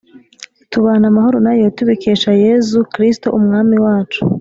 tubana amahoro na yo tubikesha yezu kristo umwami wacu”